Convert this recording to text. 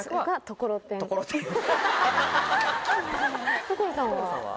所さんは？